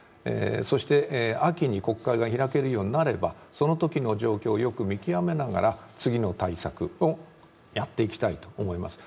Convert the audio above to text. そして秋に国会が開けるようになれば、そのときの状況をよく見極めながら、次の対策をやっていきたいと思います。